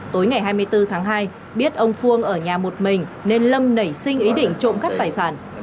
tối ngày hai mươi bốn tháng hai biết ông phương ở nhà một mình nên lâm nảy sinh ý định trộm cắp tài sản